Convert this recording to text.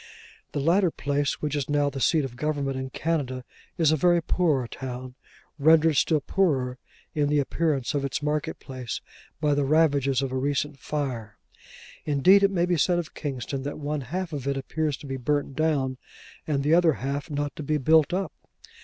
The latter place, which is now the seat of government in Canada, is a very poor town, rendered still poorer in the appearance of its market place by the ravages of a recent fire. Indeed, it may be said of Kingston, that one half of it appears to be burnt down, and the other half not to be built up.